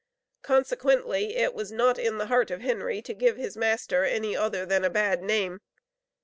Consequently it was not in the heart of Henry to give his master any other than a bad name.